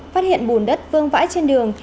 phát hiện bùn đất vương vãi trên đường